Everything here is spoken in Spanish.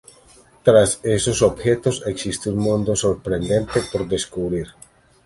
Tras esos objetos existe un mundo sorprendente por descubrir.